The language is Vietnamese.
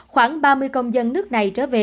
khoảng ba mươi công dân nước này trở về